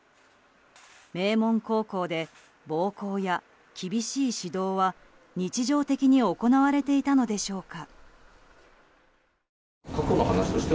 名門高校で暴行や厳しい指導は日常的に行われていたのでしょうか。